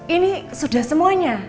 ini sudah semuanya